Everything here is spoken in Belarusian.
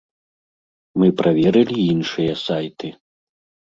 Мы праверылі іншыя сайты.